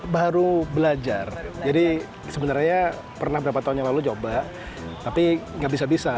baru belajar jadi sebenarnya pernah berapa tahun yang lalu coba tapi nggak bisa bisa